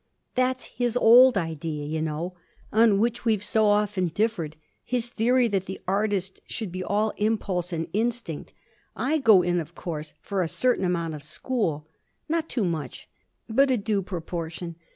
'That's his old idea, you know on which we've so often differed: his theory that the artist should be all impulse and instinct. I go in of course for a certain amount of school. Not too much but a due proportion.